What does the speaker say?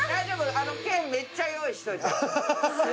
あの券めっちゃ用意しといてよ？